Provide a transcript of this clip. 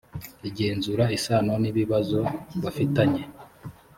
igenzura isano n’ibibazo bafitanye